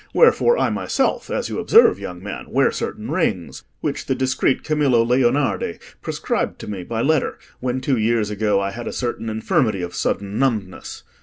Wherefore, I myself, as you observe, young man, wear certain rings, which the discreet Camillo Leonardi prescribed to me by letter when two years ago I had a certain infirmity of sudden numbness.